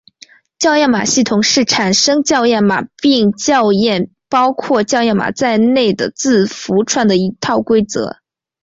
校验码系统是产生校验码并校验包括校验码在内的字符串的一套规则。